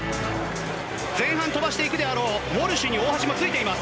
前半飛ばしていくであろうウォルシュに大橋もついています。